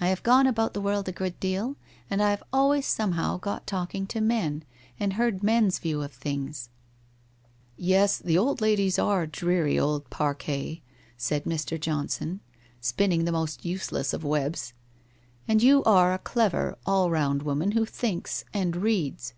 I have gone about the world a good deal, and I have always some how got talking to men, and heard men's view of things !'' Yes, the old ladies are dreary old Parcae,' said Mr. Johnson, 'spinning the most useless of webs. And you are a clever, all round woman who thinks and reads.